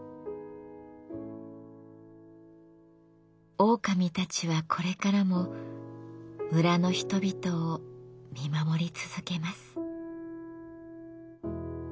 オオカミたちはこれからも村の人々を見守り続けます。